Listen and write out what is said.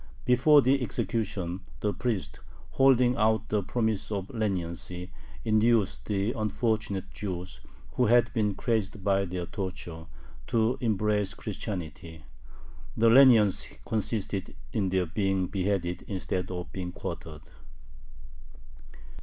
Before the execution the priest, holding out the promise of leniency, induced the unfortunate Jews, who had been crazed by their tortures, to embrace Christianity. The leniency consisted in their being beheaded instead of being quartered.